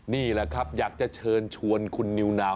นี่แหละครับอยากจะเชิญชวนคุณนิวนาว